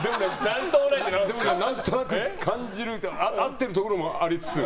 でも、何となく合っているところもありつつ。